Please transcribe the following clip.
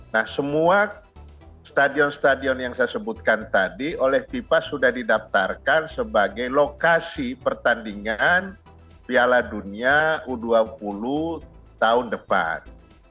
nah semua stadion stadion yang saya sebutkan tadi oleh fifa sudah didaftarkan sebagai lokasi pertandingan piala dunia u dua puluh tahun depan